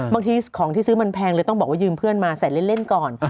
บางทีของที่ซื้อมันแพงเลยต้องบอกว่ายืมเพื่อนมาใส่เล่นก่อน